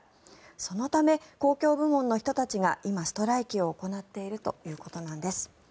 そのため公共部門の人たちが今、ストライキを行っているということなんです。